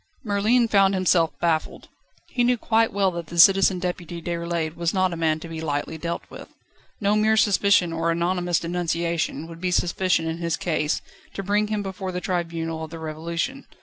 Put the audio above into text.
Merlin found himself baffled. He knew quite well that Citizen Deputy Déroulède was not a man to be lightly dealt with. No mere suspicion or anonymous denunciation would be sufficient in his case, to bring him before the tribunal of the Revolution.